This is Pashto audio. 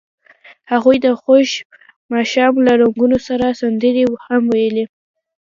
هغوی د خوښ ماښام له رنګونو سره سندرې هم ویلې.